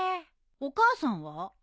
お母さんは？